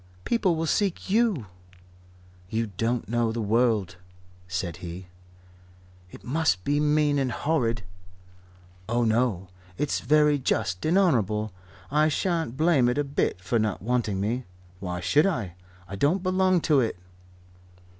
"People will seek you." "You don't know the world," said he. "It must be mean and horrid." "Oh, no. It's very just and honourable. I shan't blame it a bit for not wanting me. Why should I? I don't belong to it."